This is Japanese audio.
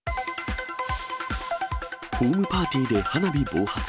ホームパーティーで花火暴発。